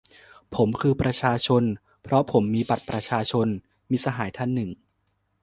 "ผมคือประชาชน ! เพราะผมมีบัตรประชาชน !" - มิตรสหายท่านหนึ่ง